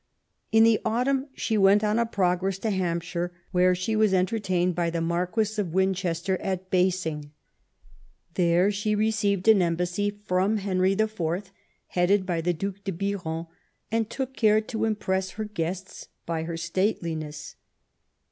In the autumn she went on a progress to Hampshire, where she was entertained 294 QUEEN ELIZABETH. by the Marquess of Winchester at Basing. There she received an embassy from Henry IV., headed by the Due de Biron, and took care to impress her guests by her stateliness.